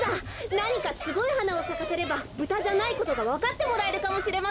なにかすごいはなをさかせればブタじゃないことがわかってもらえるかもしれません。